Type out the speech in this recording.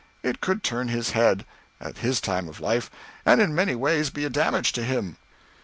It could turn his head, at his time of life, and in many ways be a damage to him."